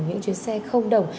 những chuyến xe không đồng